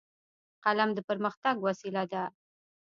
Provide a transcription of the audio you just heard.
قلم د پرمختګ وسیله ده